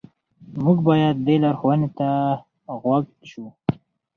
موږ باید دې لارښوونې ته غوږ شو.